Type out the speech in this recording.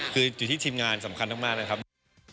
คืออยู่ที่ทีมงานสำคัญมากนะครับ